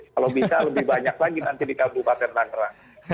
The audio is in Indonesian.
kalau bisa lebih banyak lagi nanti di kabupaten tangerang